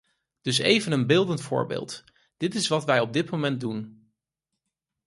Dus even een beeldend voorbeeld: dit is wat wij op dit moment doen.